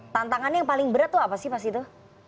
tantangannya yang paling berat itu apa sih pak sido